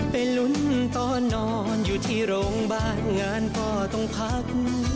ไปลุ้นตอนนอนอยู่ที่โรงพยาบาลงานพ่อต้องพัก